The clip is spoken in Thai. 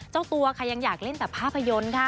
เจ้าตัวค่ะยังอยากเล่นแต่ภาพยนตร์ค่ะ